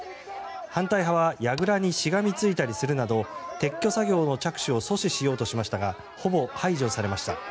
反対派はやぐらにしがみついたりするなど撤去作業の着手を阻止しようとしましたがほぼ排除されました。